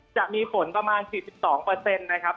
จะมีผลประมาณ๔๒เปอร์เซ็นต์นะครับ